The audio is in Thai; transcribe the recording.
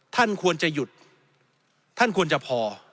ท่านควรจะหยุดท่านควรจะพอ